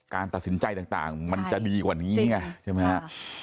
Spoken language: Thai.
การตัดสินใจต่างมันจะดีกว่านี้ไง